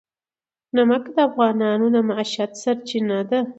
نمک د افغانانو د معیشت سرچینه ده.